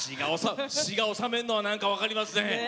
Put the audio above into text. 滋賀を治めるのはなんか分かりますね。